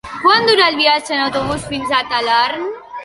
Quant dura el viatge en autobús fins a Talarn?